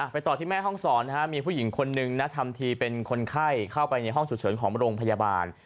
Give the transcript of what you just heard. ต่อที่แม่ห้องศรมีผู้หญิงคนนึงนะทำทีเป็นคนไข้เข้าไปในห้องฉุกเฉินของโรงพยาบาล